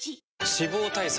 脂肪対策